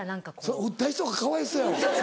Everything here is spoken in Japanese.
それ打った人がかわいそうやわ。